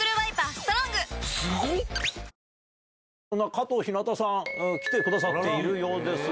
加藤ひなたさん来てくださっているようです。